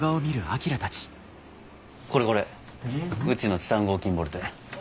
これこれうちのチタン合金ボルトや。